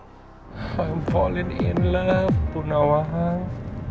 aku jatuh cinta sama bu nawang